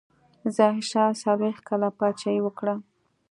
ظاهرشاه څلوېښت کاله پاچاهي وکړه.